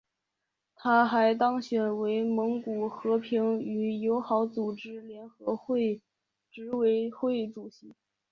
他还当选为蒙古和平与友好组织联合会执委会主席。